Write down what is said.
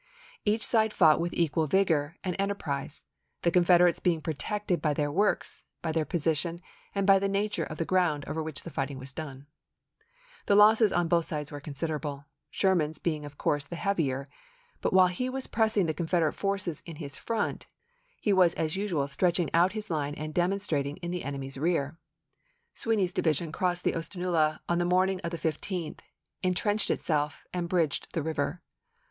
Each side fought with equal vigor and en terprise, the Confederates being protected by their works, by their position, and by the nature of the ground over which the fighting was done. The 14 ABEAHAM LINCOLN chap. i. losses on both sides were considerable, Sherman's being, of course, the heavier; but while he was pressing the Confederate forces in his front, he was as usual stretching out his line and demonstrating in the enemy's rear. Sweeny's division crossed May, 1864. the Oostenaula on the morning of the 15th, in trenched itself, and bridged the river.